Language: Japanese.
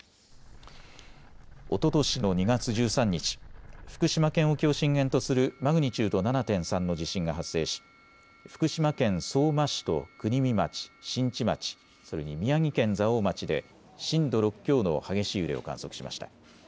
おととしの２月１３日、福島県沖を震源とするマグニチュード７．３の地震が発生し福島県相馬市と国見町、新地町、それに宮城県蔵王町で震度６強の激しい揺れを観測しました。